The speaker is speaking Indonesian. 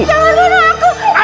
jangan bunuh aku